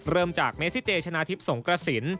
เริ่มจากเมซิเจชนะทิพย์สงกระสิน